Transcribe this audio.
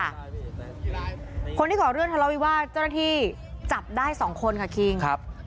โดนที่ก่อเลือดธรรมวิวาเจ้าหน้าที่จับได้สองคนค่ะคู้ิง